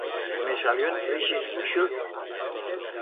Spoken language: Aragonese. Me salió entre ixes buixos.